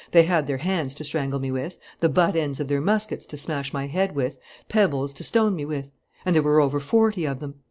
They had their hands to strangle me with, the butt ends of their muskets to smash my head with, pebbles to stone me with. And there were over forty of them!